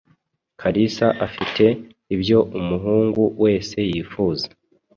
Kalisa afite ibyo umuhungu wese yifuza.